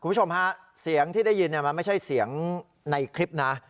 คุณผู้ชมฮะเสียงที่ได้ยินมันไม่ใช่เสียงในคลิปนะ